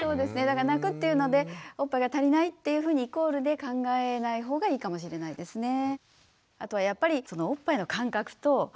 だから泣くっていうのでおっぱいが足りないっていうふうにイコールで考えないほうがいいかもしれないですね。